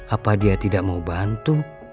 apa dia tidak mau bantu